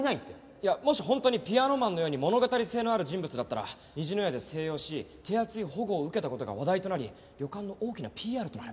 いやもし本当にピアノマンのように物語性のある人物だったら虹の屋で静養し手厚い保護を受けた事が話題となり旅館の大きなＰＲとなる。